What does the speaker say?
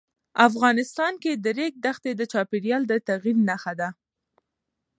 افغانستان کې د ریګ دښتې د چاپېریال د تغیر نښه ده.